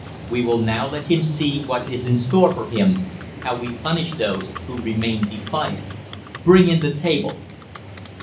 "We will now let him see what is in store for him how we punish those who remain defiant. Bring in the table."